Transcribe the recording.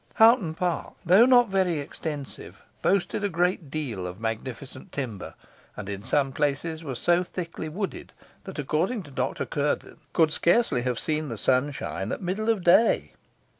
Hoghton Park, though not very extensive, boasted a great deal of magnificent timber, and in some places was so thickly wooded, that, according to Dr. Kuerden, "a man passing through it could scarcely have seen the sun shine at middle of day."